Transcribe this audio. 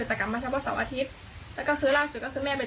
ด้วยคำที่หยาบคายและทำร้ายร่างกายตามที่เห็นในคลิป